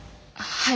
はい。